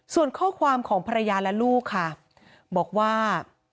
ส่วนข้อความของภรรยาและลูกค่ะบอกว่า